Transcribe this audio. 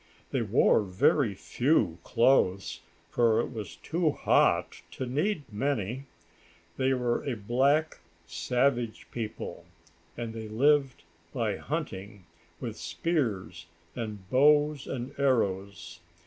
They wore very few clothes, for it was too hot to need many. They were a black, savage people, and they lived by hunting with their spears, and bows and arrows.